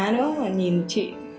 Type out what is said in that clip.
mà nhìn chị